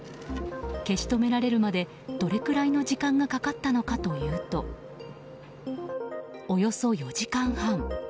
消し止められるまでどれくらいの時間がかかったのかというとおよそ４時間半。